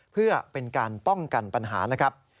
เพื่อเป็นการป้องกันปัญหานะครับ